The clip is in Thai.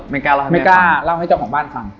ไม่กล้าเล่าให้เจ้าของบ้านฟัง